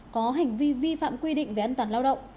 có hành vi vi phạm quy định về an toàn lao động